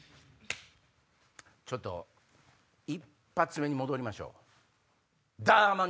ちょっと１発目に戻りましょう。